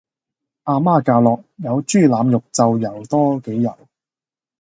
阿媽教落有豬腩肉就游多幾游